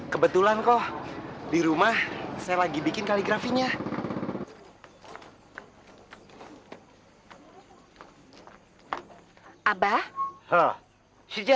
kebetulan kok di rumah saya lagi bikin kaligrafinya